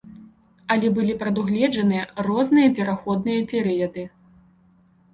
Але былі прадугледжаныя розныя пераходныя перыяды.